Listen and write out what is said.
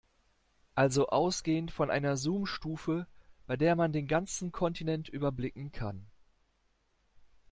Also ausgehend von einer Zoomstufe, bei der man den ganzen Kontinent überblicken kann.